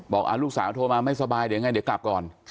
ลูกสาวโทรมาไม่สบายเดี๋ยวไงเดี๋ยวกลับก่อน